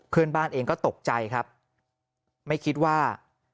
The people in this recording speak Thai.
เพื่อนบ้านเองก็ตกใจครับไม่คิดว่า